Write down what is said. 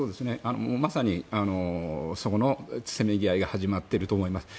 まさにそのせめぎ合いが始まっていると思います。